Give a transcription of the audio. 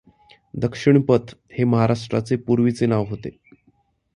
दक्षिणपथ हे महाराष्ट्राचे पूर्वीचे नाव होते.